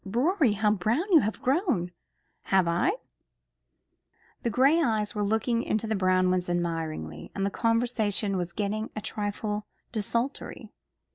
"Rorie, how brown you have grown.'" "Have I!" The gray eyes were looking into the brown ones admiringly, and the conversation was getting a trifle desultory.